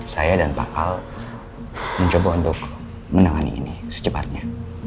saya dan pak al mencoba untuk menangani ini secepatnya